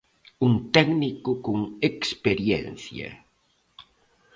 Un técnico con experiencia.